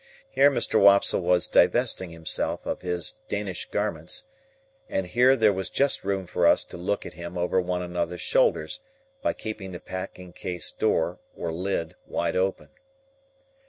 Here Mr. Wopsle was divesting himself of his Danish garments, and here there was just room for us to look at him over one another's shoulders, by keeping the packing case door, or lid, wide open.